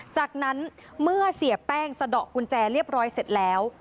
จากนั้นเมื่อเสียแป้งสะดอกกุญแจเรียบร้อยเสร็จแล้ว